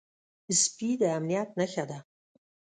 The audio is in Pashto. سپي د امنيت نښه ده.